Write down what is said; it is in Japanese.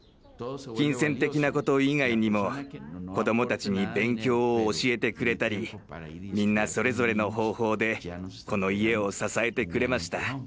金銭的なこと以外にも子どもたちに勉強を教えてくれたりみんなそれぞれの方法でこの家を支えてくれました。